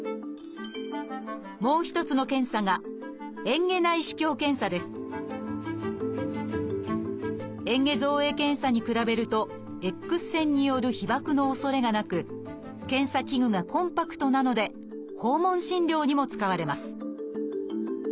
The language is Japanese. もう一つの検査がえん下造影検査に比べるとＸ線による被ばくのおそれがなく検査器具がコンパクトなので訪問診療にも使われます